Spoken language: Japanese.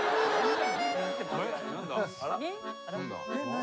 何？